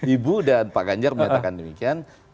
ibu dan pak ganjar menyatakan demikian